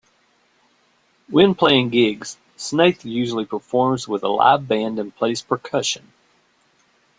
When playing gigs, Snaith usually performs with a live band and plays percussion.